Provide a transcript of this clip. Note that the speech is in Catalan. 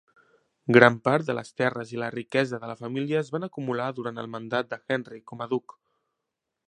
Gran part de les terres i la riquesa de la família es van acumular durant el mandat de Henry com a duc.